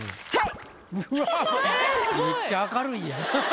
はい。